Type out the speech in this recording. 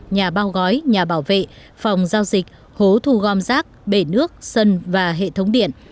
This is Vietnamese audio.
nhà bao gói nhà bảo vệ phòng giao dịch hố thu gom rác bể nước sân và hệ thống điện